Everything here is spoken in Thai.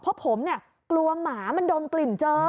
เพราะผมเนี่ยกลัวหมามันดมกลิ่นเจอ